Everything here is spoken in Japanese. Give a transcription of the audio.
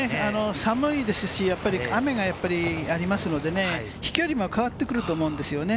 寒いですし、雨がやっぱりありますのでね、飛距離も変わってくると思うんですよね。